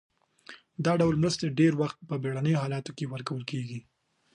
دا ډول مرستې ډیری وخت په بیړنیو حالاتو کې ورکول کیږي.